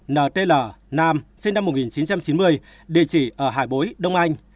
hai ntl nam sinh năm một nghìn chín trăm chín mươi địa chỉ ở hải bối đông anh